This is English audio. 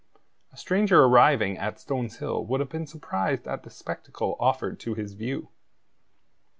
A stranger arriving at Stones Hill would have been surprised at the spectacle offered to his view.